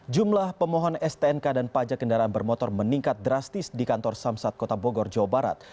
jumlah pemohon stnk dan pajak kendaraan bermotor meningkat drastis di kantor samsat kota bogor jawa barat